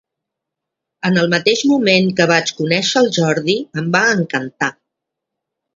En el mateix moment que vaig conèixer el Jordi em va encantar.